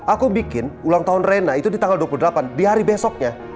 aku bikin ulang tahun rena itu di tanggal dua puluh delapan di hari besoknya